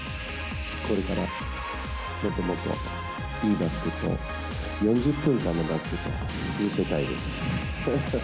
これから、もっともっといいバスケットを、４０分間のバスケットを見せたいです。